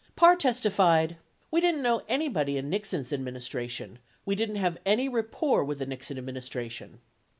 25 Parr testified: "We didn't know anybody in Nixon's ad ministration ... We didn't have any rapport wi th the Nixon admin istration."